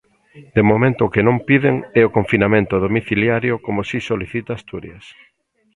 De momento o que non piden é o confinamento domiciliario como si solicita Asturias.